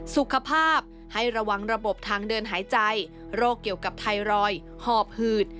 สุขภาพให้ระวังระบบทางเดินหายใจโรคเกี่ยวกับไทรอยด์หอบหืด